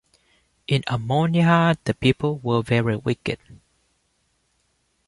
In Ammonihah the people were very wicked.